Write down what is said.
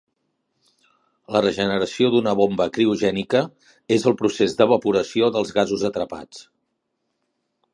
La regeneració d'una bomba criogènica és el procés d'evaporació dels gasos atrapats.